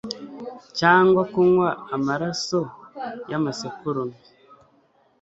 cyangwa kunywa amaraso y’amasekurume?